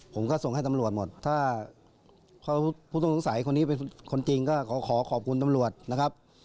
ผมก็ส่งให้ตำรวจหมดถ้าผู้ต้องสงสัยคนนี้เป็นคนจริงก็ขอขอบคุณตำรวจนะครับ